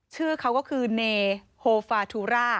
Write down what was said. ชื่อเขาก็คือเนโฮฟาทูรา